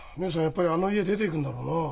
やっぱりあの家出ていくんだろうなあ。